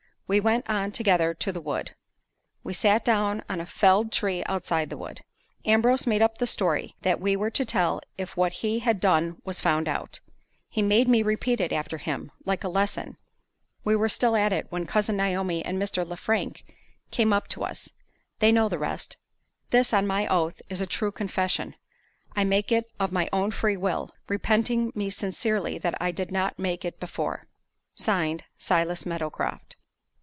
We went on together to the wood. We sat down on a felled tree outside the wood. Ambrose made up the story that we were to tell if what he had done was found out. He made me repeat it after him, like a lesson. We were still at it when Cousin Naomi and Mr. Lefrank came up to us. They know the rest. This, on my oath, is a true confession. I make it of my own free will, repenting me sincerely that I did not make it before." (Signed) "SILAS MEADOWCROFT."